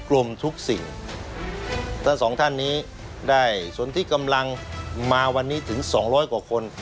กลมทุกสิ่งท่านสองท่านนี้ได้ส่วนที่กำลังมาวันนี้ถึง๒๐๐กว่าคน